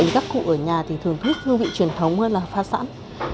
các cụ ở nhà thì thường thích hương vị truyền thống hơn là phát sẵn